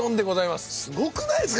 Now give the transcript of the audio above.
すごくないですか？